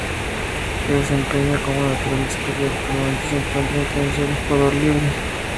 Se desempeña como lateral izquierdo y actualmente se encuentra en condición de jugador libre.